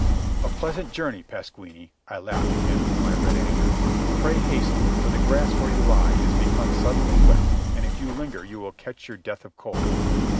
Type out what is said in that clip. "A pleasant journey, Pasquini," I laughed to him in my red anger. "Pray hasten, for the grass where you lie is become suddenly wet and if you linger you will catch your death of cold."